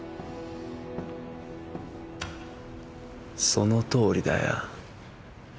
そのとおりだよ。